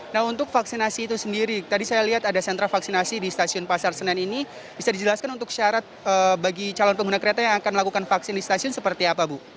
nah untuk vaksinasi itu sendiri tadi saya lihat ada sentra vaksinasi di stasiun pasar senen ini bisa dijelaskan untuk syarat bagi calon pengguna kereta yang akan melakukan vaksin di stasiun seperti apa bu